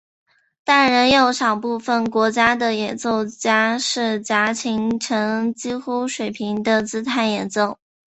但仍有少部分国家的演奏家是夹琴呈几乎水平的姿态演奏。